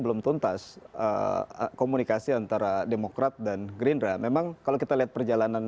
belum tuntas komunikasi antara demokrat dan gerindra memang kalau kita lihat perjalanan